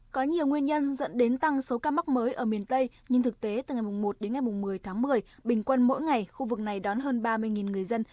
có nhiều nguyên nhân dẫn đến tăng số ca mắc mới ở miền tây nhưng thực tế từ ngày một đến ngày một mươi tháng một mươi bình quân mỗi ngày khu vực này đón hơn ba mươi người dân